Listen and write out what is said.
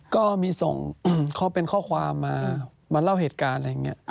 ก็มีส่งเป็นข้อความมามาเล่าเหตุการณ์อะไรอย่างนี้